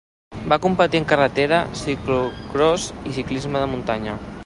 Va competir en carretera, ciclocròs i ciclisme de muntanya.